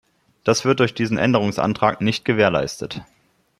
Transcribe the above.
Das wird durch diesen Änderungsantrag nicht gewährleistet.